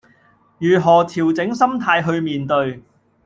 如何調整心態去面對